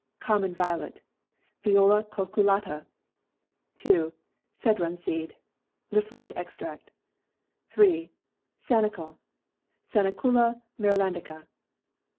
Common violet (Viola Cucullata). 2. Cedron seed (the fluid extract). 3. Sanicle (Sanicula Marylandica).